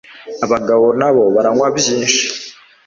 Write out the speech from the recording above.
Abagabo na bo baranywa byinshi